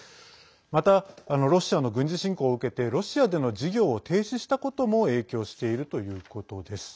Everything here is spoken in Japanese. また、ロシアの軍事侵攻を受けてロシアでの事業を停止したことも影響しているということです。